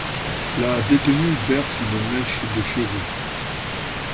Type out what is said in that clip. La détenue berce une mèche de cheveux.